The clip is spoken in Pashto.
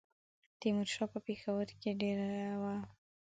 تیمورشاه په پېښور کې دېره دی.